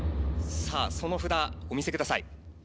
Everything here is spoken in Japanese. さあその札お見せください。